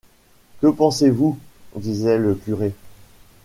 Que pensez-vous? disait le curé.